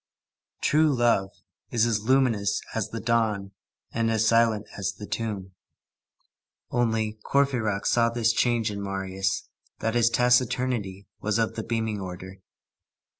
True love is as luminous as the dawn and as silent as the tomb. Only, Courfeyrac saw this change in Marius, that his taciturnity was of the beaming order.